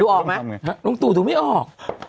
ออกไหมฮะลุงตู่ดูไม่ออก